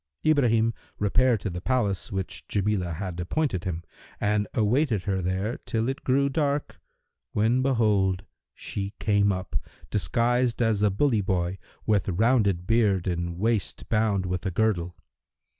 Ibrahim repaired to the place which Jamilah had appointed him and awaited her there till it grew dark, when, behold, she came up, disguised as a bully boy with rounded beard and waist bound with a girdle.